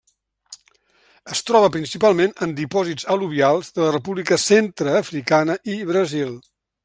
Es troba, principalment, en dipòsits al·luvials de la República Centreafricana i Brasil.